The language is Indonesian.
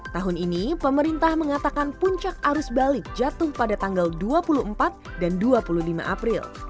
tahun ini pemerintah mengatakan puncak arus balik jatuh pada tanggal dua puluh empat dan dua puluh lima april